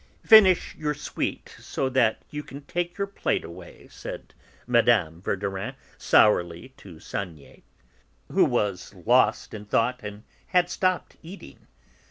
"Finish your sweet, so that they can take your plate away!" said Mme. Verdurin sourly to Saniette, who was lost in thought and had stopped eating.